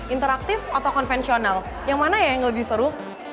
interaktif atau konvensional yang mana ya yang lebih seru